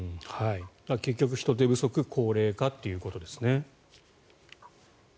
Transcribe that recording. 結局、人手不足高齢化ということですね。